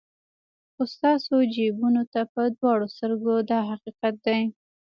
خو ستاسو جیبونو ته په دواړو سترګو دا حقیقت دی.